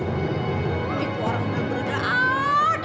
eh orang orang berada